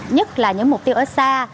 nhất là những mục tiêu ở xa